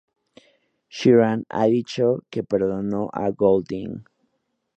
Sheeran ha dicho que perdonó a Goulding.